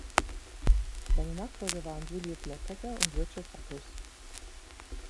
Seine Nachfolger waren Juliet Law Packer und Richard Backus.